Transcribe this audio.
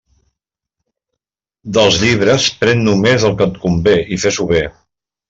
Dels llibres, pren només el que et convé, i fes-ho bé.